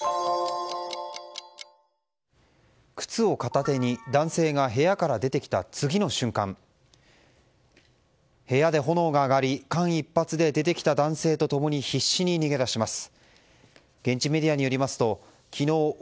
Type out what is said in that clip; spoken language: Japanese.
靴を片手に男性が部屋から出てきた次の瞬間、部屋で炎が上がり間一髪で出てきた男性と共に必死で逃げだします。